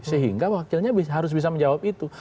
sehingga wakilnya harus bisa menjawab itu